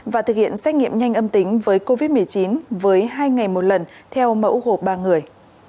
và thực hiện xét nghiệm nhanh âm tính với covid một mươi chín với hai ngày một lần theo mẫu gộp ba người